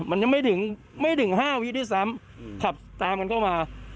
แล้วมันยังไม่ถึงห้าวิทย์ที่แสมขับตามเข้ามา